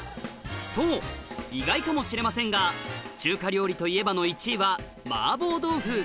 そう意外かもしれませんが中華料理といえばの１位はマーボー豆腐